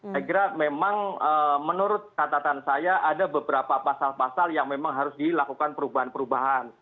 saya kira memang menurut catatan saya ada beberapa pasal pasal yang memang harus dilakukan perubahan perubahan